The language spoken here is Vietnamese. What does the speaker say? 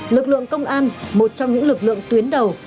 lực lượng công an một trong những lực lượng tuyến đầu